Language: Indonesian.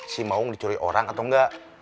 si maung dicuri orang atau enggak